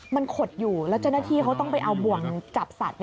มันขดอยู่แล้วเจ้าหน้าที่เขาต้องไปเอาบ่วงจับสัตว์